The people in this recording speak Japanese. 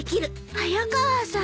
早川さん。